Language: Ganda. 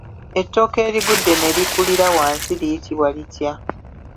Ettooke erigudde ne likulira wansi liyitibwa litya?